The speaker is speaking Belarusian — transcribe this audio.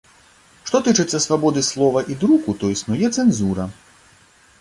Што тычыцца свабоды слова і друку, то існуе цэнзура.